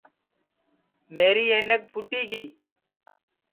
میری اینک پھُوٹی گی